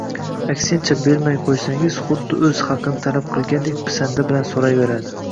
Aksincha, bermay qo`ysangiz, xuddi o`z haqini talab qilgandek pisanda bilan so`rayverardi